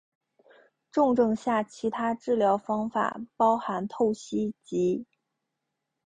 重症下其他治疗方法包含透析及。